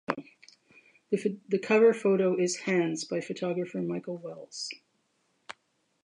The cover photo is "Hands" by photographer Michael Wells.